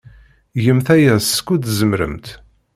Gemt aya skud tzemremt.